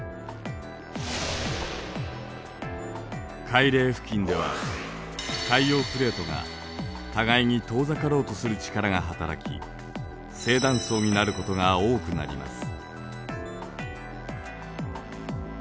海嶺付近では海洋プレートが互いに遠ざかろうとする力が働き「正断層」になることが多くなります。